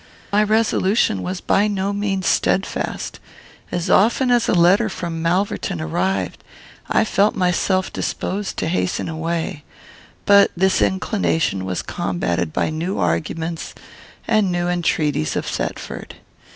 "My resolution was by no means steadfast. As often as a letter from Malverton arrived, I felt myself disposed to hasten away; but this inclination was combated by new arguments and new entreaties of Thetford.